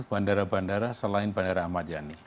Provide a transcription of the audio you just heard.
bandara bandara selain bandara ahmad yani